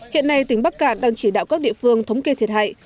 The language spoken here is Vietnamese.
hiện nay tỉnh bắc cạn đang chỉ đạo các địa phương thống kê thiệt hại